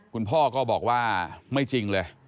คุณพ่อก็บอกว่าไม่จริงเลย